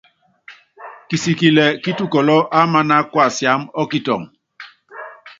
Kisikili kítukɔlɔ́ ámaná kuasiámá ɔ́kitɔŋɔ.